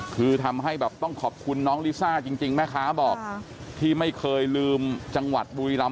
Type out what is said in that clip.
คือทำให้แบบต้องขอบคุณน้องลิซ่าจริงแม่ค้าบอกที่ไม่เคยลืมจังหวัดบุรีรำ